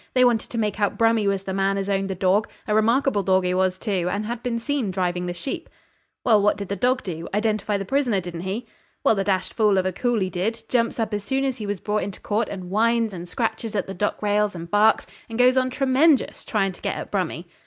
They wanted to make out Brummy was the man as owned the dorg a remarkable dorg he was, too, and had been seen driving the sheep.' 'Well, what did the dog do? Identify the prisoner, didn't he?' 'Well, the dashed fool of a coolie did. Jumps up as soon as he was brought into court, and whines and scratches at the dock rails and barks, and goes on tremenjus, trying to get at Brummy.'